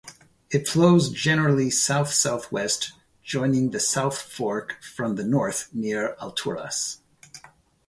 It flows generally south-southwest, joining the South Fork from the north near Alturas.